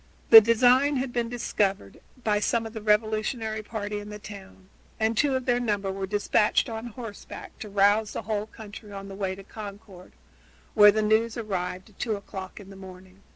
The design had been discovered by some of the revolutionary party in the town, and two of their number were dispatched on horseback to rouse the whole country on the way to Concord, where the news arrived at two o'clock in the morning.